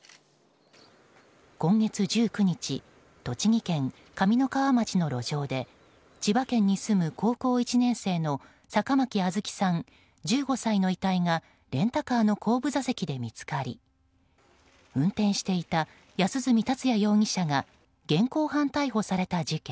今月１９日栃木県上三川町の路上で千葉県に住む高校１年生の坂巻杏月さん、１５歳の遺体がレンタカーの後部座席で見つかり運転していた安栖達也容疑者が現行犯逮捕された事件。